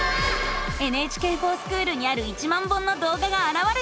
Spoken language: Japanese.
「ＮＨＫｆｏｒＳｃｈｏｏｌ」にある１万本のどうががあらわれたよ。